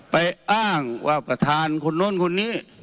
อ้างว่าประธานคนโน้นคนนี้